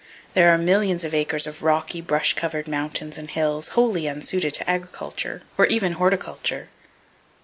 There are millions of acres of rocky, brush covered mountains and hills, wholly unsuited to agriculture, or even horticulture.